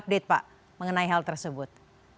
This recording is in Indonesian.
bisa diupdate pak mengenai hal tersebut